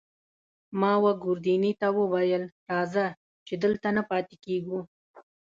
ما وه ګوردیني ته وویل: راځه، چې دلته نه پاتې کېږو.